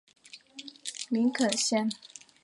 林肯县是美国奥克拉荷马州中部的一个县。